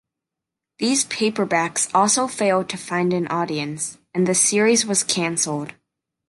These paperbacks also failed to find an audience, and the series was canceled.